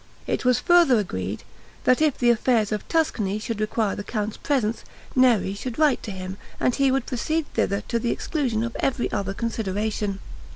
It was further agreed, that if the affairs of Tuscany should require the count's presence, Neri should write to him, and he would proceed thither to the exclusion of every other consideration.